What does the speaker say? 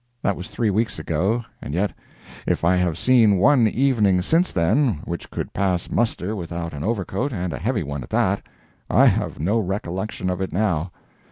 That was three weeks ago, and yet, if I have seen one evening since then which could pass muster without an overcoat, and a heavy one at that, I have no recollection of it now.